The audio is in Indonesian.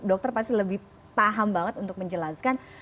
dokter pasti lebih paham banget untuk menjelaskan